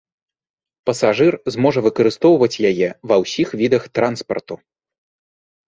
Пасажыр зможа выкарыстоўваць яе ва ўсіх відах транспарту.